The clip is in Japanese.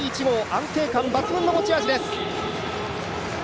安定感抜群の持ち味です。